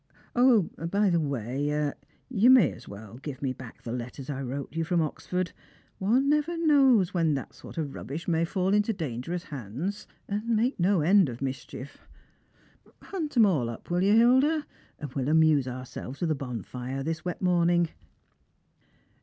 O, by the way, you may as well give me back the letters I wrote you from Oxford. One never knows when that sort of rubbish may fall into dangerous hands, and make no end of mischief. Hunt 'em all up, will you, Hilda ? and we'll amuse ourselves with a bonfire this wet morning."